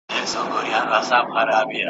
تور یې خپور کړ په ګوښه کي غلی غلی ,